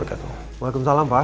untukku bayangkannya nih